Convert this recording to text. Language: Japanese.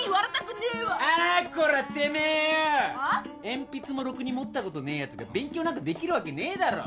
鉛筆もろくに持ったことねえやつが勉強なんかできるわけねえだろ。